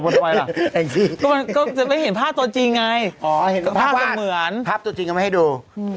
แปบตัวจริงไงผ้ไว้ดู